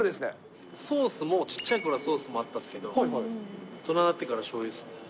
ソースも、もうちっちゃいころからソースもあったんですけど、大人になってからしょうゆですね。